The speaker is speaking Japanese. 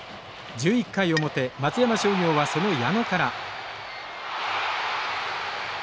１１回表松山商業はその矢野から。